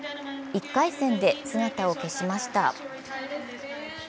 １回戦で姿を消しました。